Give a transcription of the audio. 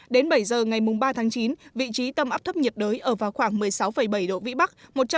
đến bảy giờ ngày ba tháng chín vị trí tâm áp thấp nhiệt đới ở vào khoảng một mươi sáu bảy độ vĩ bắc